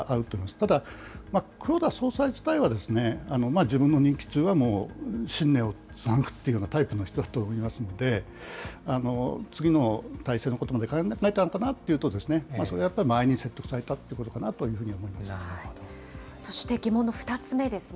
ただ、黒田総裁自体は、自分の任期中は信念を貫くというようなタイプの人だと思いますので、次の体制のことまで考えたのかなというと、やっぱり周りに説得されたというこそして、疑問の２つ目ですね。